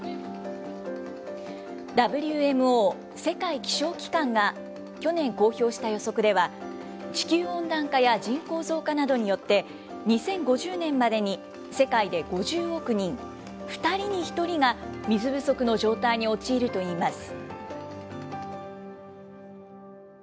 ＷＭＯ・世界気象機関が去年公表した予測では、地球温暖化や人口増加などによって、２０５０年までに世界で５０億人、２人に１人が水不足の状態に陥るといいます。